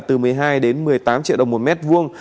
từ một mươi hai đến một mươi tám triệu đồng một mét vuông